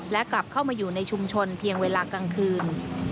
และกลับเข้ามาอยู่ในชุมชนเพียงเวลากลางคืน